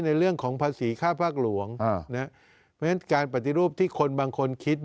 ในเรื่องของภาษีค่าภาคหลวงเพราะฉะนั้นการปฏิรูปที่คนบางคนคิด